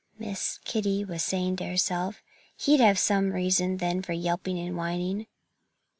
Miss Kitty was saying to herself. "He'd have some reason then for yelping and whining."